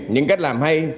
những cách làm hay